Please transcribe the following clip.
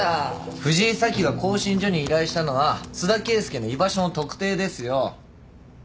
藤井早紀が興信所に依頼したのは津田圭祐の居場所の特定ですよ。